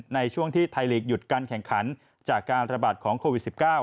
ในช่วงที่ไทยลีกหยุดการแข่งขันจากการระบาดของโควิด๑๙